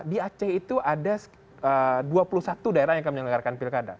di aceh itu ada dua puluh satu daerah yang akan menyelenggarakan pilkada